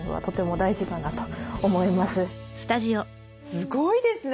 すごいですね